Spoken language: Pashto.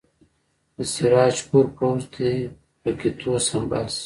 د سراج پور پوځ دې په قطعو سمبال شي.